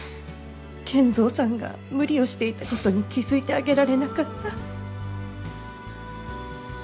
賢三さんが無理をしていたことに気付いてあげられなかった。